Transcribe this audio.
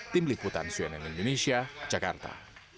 tim liputan cnn indonesia jakarta